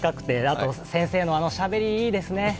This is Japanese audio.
あのしゃべり、いいですね。